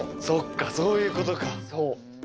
そっかそういうことか。